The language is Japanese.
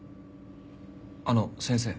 あの先生。